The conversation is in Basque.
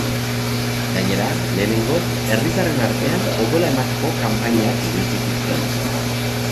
Gainera, lehenengoz, herritarren artean odola emateko kanpainak egin zituzten.